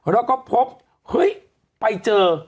แล้วก็พบเฮ้ยไปเจอ